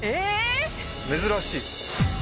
珍しい。